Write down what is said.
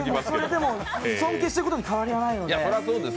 でも、尊敬していることに変わりはないので。